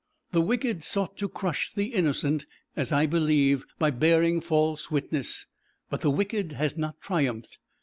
The wicked sought to crush the innocent, as I believe, by bearing false witness, but the wicked has not triumphed.